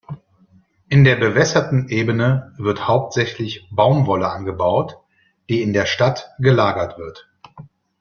In der bewässerten Ebene wird hauptsächlich Baumwolle angebaut, die in der Stadt gelagert wird.